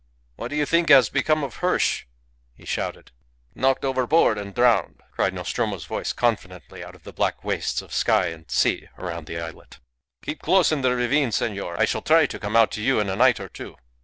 "What do you think has become of Hirsch?" he shouted. "Knocked overboard and drowned," cried Nostromo's voice confidently out of the black wastes of sky and sea around the islet. "Keep close in the ravine, senor. I shall try to come out to you in a night or two."